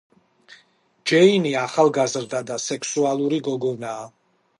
ჯეინი ახალგაზრდა და სექსუალური გოგონაა.